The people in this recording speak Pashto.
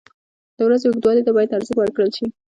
• د ورځې اوږدوالي ته باید ارزښت ورکړل شي.